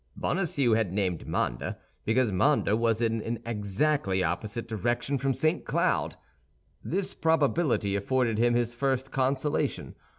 Bonacieux had named Mandé because Mandé was in an exactly opposite direction from St. Cloud. This probability afforded him his first consolation.